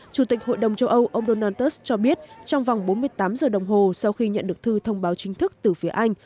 chủ tịch hội đồng châu âu ông donald trump cho biết trong vòng bốn mươi tám giờ đồng hồ sau khi nhận được thư thông báo chính thức từ phía anh